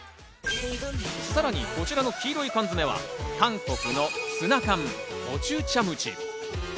さらにこちらの黄色い缶詰は韓国のツナ缶、コチュチャムチ。